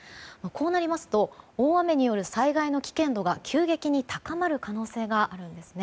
こうなりますと大雨による災害の危険度が急激に高まる可能性があるんです。